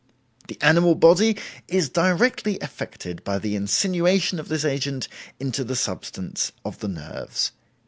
The animal body is directly affected by the insinuation of this agent into the substance of the nerves.